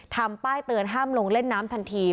ทำป้ายเตือนห้ามลงเล่นน้ำทันที